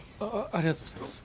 ありがとうございます